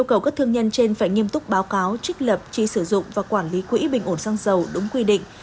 các doanh nghiệp trên phải nghiêm túc báo cáo trích lập tri sử dụng và quản lý quỹ bình ổn xa xăng dầu đúng quy định